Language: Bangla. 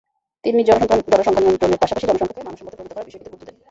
তিনি জনসংখ্যা নিয়ন্ত্রণের পাশাপাশি জনসংখ্যাকে মানবসম্পদে পরিণত করার বিষয়টিতে গুরুত্ব দেন।